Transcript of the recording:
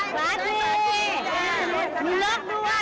และครกใบโลก